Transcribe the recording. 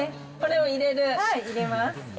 これを入れます。